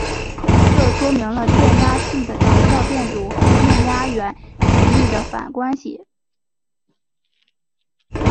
这说明了电压器的等效电阻和电压源频率的反关系。